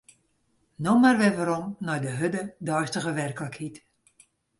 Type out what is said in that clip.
No mar wer werom nei de hurde deistige werklikheid.